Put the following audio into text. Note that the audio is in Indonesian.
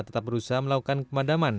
tetap berusaha melakukan kemadaman